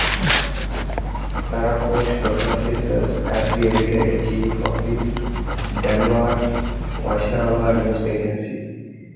Praghosh presently serves as the editor in chief of the Dandavats Vaishnava news agency.